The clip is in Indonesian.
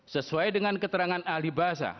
sesuai dengan keterangan ahli bahasa